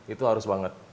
itu harus banget